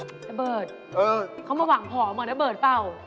ระเบิดเขามาหวังผอมเหมือนระเบิดเปล่า